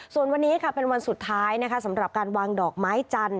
ส่วนวันนี้ค่ะเป็นวันสุดท้ายนะคะสำหรับการวางดอกไม้จันท